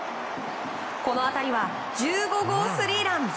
この当たりは１５号スリーラン。